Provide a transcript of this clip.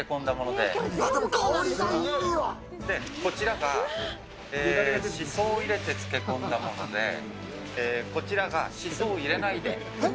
で、こちらが紫蘇を入れて漬け込んだもので、こちらが紫蘇を入れないでえっ？